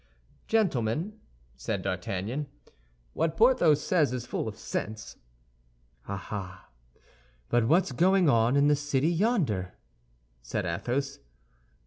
"Gentlemen," said D'Artagnan, "what Porthos says is full of sense." "Ah, ah! but what's going on in the city yonder?" said Athos.